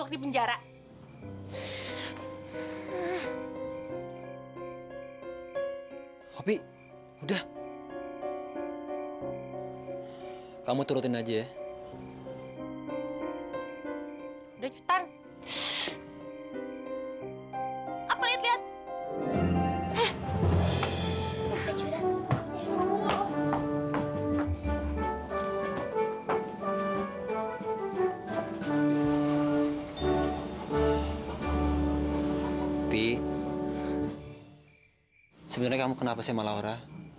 sebenernya kamu kenapa sih sama laura